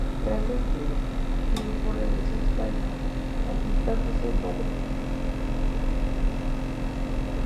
Tras ese tiempo regresó a España asentándose en Madrid.